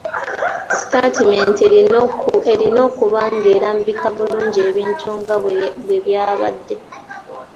Sitaatimenti erina okuba ng'erambika bulungi ebintu nga bwe byabadde.